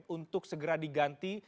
untuk segera diganti